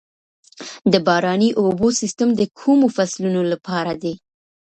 د باراني اوبو سیستم د کومو فصلونو لپاره دی؟